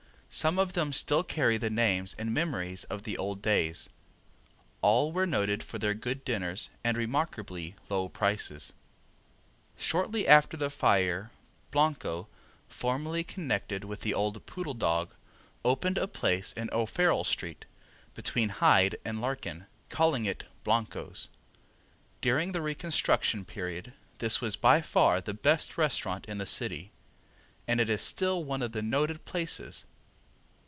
Some of them still carry the names and memories of the old days. All were noted for their good dinners and remarkably low prices. Shortly after the fire Blanco, formerly connected with the old Poodle Dog, opened a place in O'Farrell street, between Hyde and Larkin, calling it "Blanco's." During the reconstruction period this was by far the best restaurant in the city, and it is still one of the noted places.